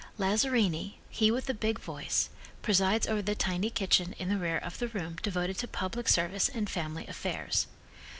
Lazzarini, he with the big voice, presides over the tiny kitchen in the rear of the room devoted to public service and family affairs.